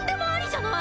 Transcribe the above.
じゃない